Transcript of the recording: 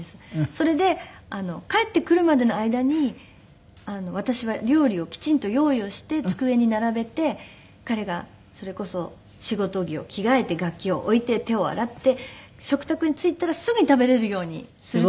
それで帰ってくるまでの間に私は料理をきちんと用意をして机に並べて彼がそれこそ仕事着を着替えて楽器を置いて手を洗って食卓に着いたらすぐに食べられるようにするって。